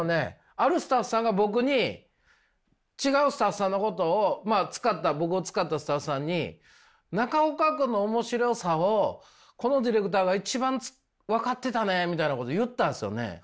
あるスタッフさんが僕に違うスタッフさんのことを僕を使ったスタッフさんに中岡君の面白さをこのディレクターが一番分かってたねみたいなことを言ったんですよね。